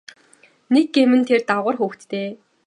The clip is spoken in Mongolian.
Нэг гэм нь тэр дагавар хүүхэдтэй.